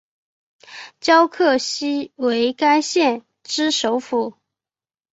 皎克西为该县之首府。